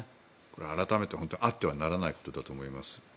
改めてあってはならないことだと思います。